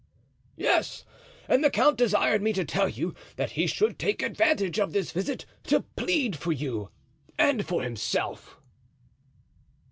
"Yes; and the count desired me to tell you that he should take advantage of this visit to plead for you and for himself."